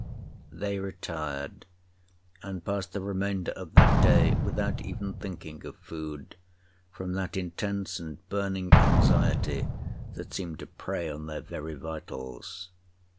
They retired, and passed the remainder of that day without even thinking of food, from that intense and burning anxiety that seemed to prey on their very vitals.